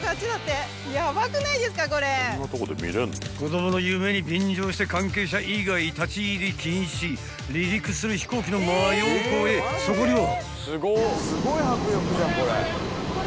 ［子供の夢に便乗して関係者以外立ち入り禁止離陸する飛行機の真横へそこには］